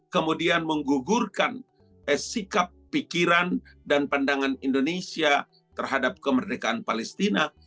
kemudian menggugurkan sikap pikiran dan pandangan indonesia terhadap kemerdekaan palestina